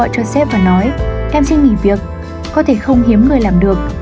cho xếp và nói em xin nghỉ việc có thể không hiếm người làm được